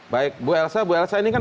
baik bu elsa bu elsa ini kan